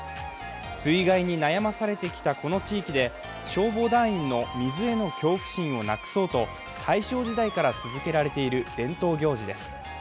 水害に悩まされてきたこの地域で消防団員の水への恐怖心をなくそうと大正時代から続けられている伝統行事です。